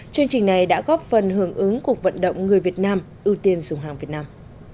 chương trình này đã góp phần hưởng ứng cuộc vận động người việt nam ưu tiên dùng hàng việt nam